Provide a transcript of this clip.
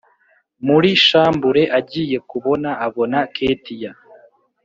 muri shambure agiye kubona abona ketiya